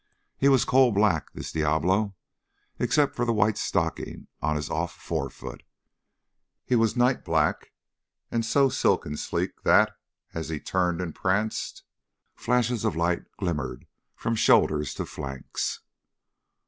He was coal black, this Diablo, except for the white stocking of his off forefoot; he was night black, and so silken sleek that, as he turned and pranced, flashes of light glimmered from shoulders to flanks.